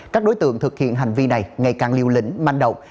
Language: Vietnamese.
các đối tượng thực hiện hành vi này ngày càng liều lĩnh manh động